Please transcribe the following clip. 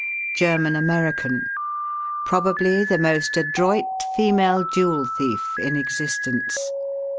German American. Probably the most adroit female jewel thief in existence.